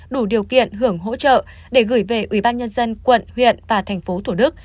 đủ điều kiện hưởng hỗ trợ để gửi về ubnd quận huyện và tp thủ đức